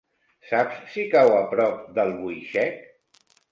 Saps si cau a prop d'Albuixec?